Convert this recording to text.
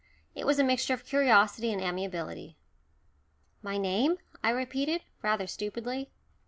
It was a mixture of curiosity and amiability. "My name," I repeated, rather stupidly.